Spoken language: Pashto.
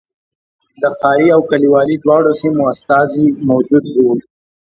د ښاري او کلیوالي دواړو سیمو استازي موجود و.